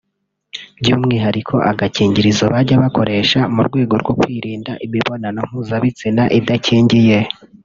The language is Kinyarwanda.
by’umwihariko agakingirizo bajya bakoresha mu rwego rwo kwirinda imibonano mpuzabitsina idakingiye